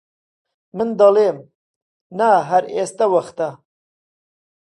من دەڵێم: نا هەر ئێستە وەختە!